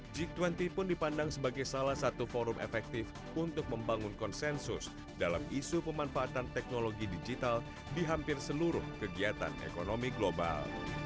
g dua puluh pun dipandang sebagai salah satu forum efektif untuk membangun konsensus dalam isu pemanfaatan teknologi digital di hampir seluruh kegiatan ekonomi global